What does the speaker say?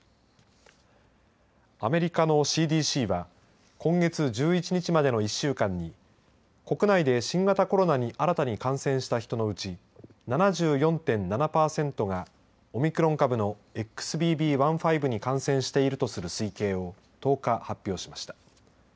アメリカのＣＤＣは今月１１日までの１週間に国内で新型コロナに新たに感染した人のうち７４．７％がオミクロン株のＸＢＢ．１．５に感染しているとする推計を１０日、発表しました。